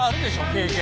経験。